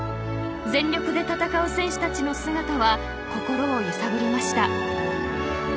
全力で戦う選手たちの姿は心を揺さぶりました。